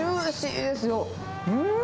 うん。